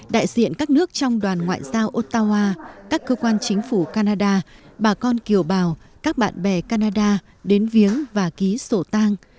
đại diện các nước trong đoàn ngoại giao otawa các cơ quan chính phủ canada bà con kiều bào các bạn bè canada đến viếng và ký sổ tang